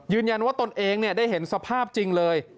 ยืนยันว่าตนเองได้เห็นสภาพจริงเลย